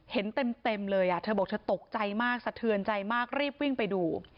เห็นเต็มเลยเธอบอกเธอตกใจมากสะเทือนใจมากรีบวิ่งไปดู